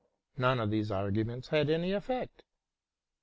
None of these arguments had any effect.